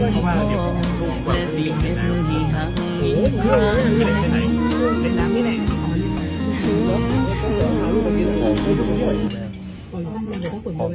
และโคคราอย่างให้ไม่พูด